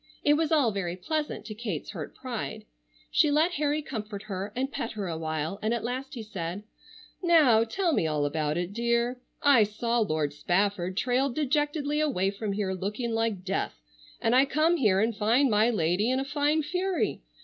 It was all very pleasant to Kate's hurt pride. She let Harry comfort her, and pet her a while, and at last he said: "Now tell me all about it, dear. I saw Lord Spafford trail dejectedly away from here looking like death, and I come here and find my lady in a fine fury.